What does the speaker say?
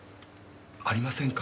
ありませんから。